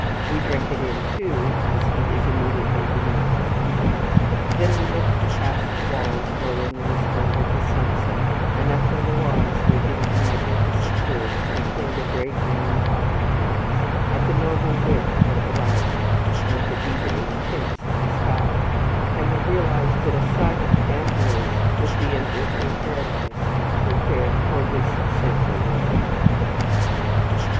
We drink it in, too, as he is immediately beneath our windows. Then we look at the castle walls glowing in the splendour of the sunset, and at the Loire sweeping in magnificent curves between the grey green poplar trees; at the noble width of the horizon, and at the deepening tints of the sky; and we realize that a silent Amboise would be an earthly Paradise, too fair for this sinful world.